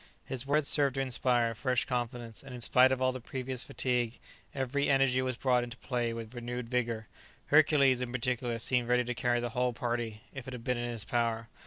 His words served to inspire a fresh confidence, and in spite of all the previous fatigue, every energy was brought into play with renewed vigour. Hercules, in particular, seemed ready to carry the whole party, if it had been in his power.